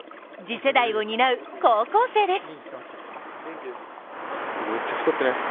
次世代を担う高校生です。